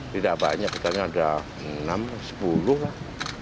tidak banyak katanya ada enam sepuluh lah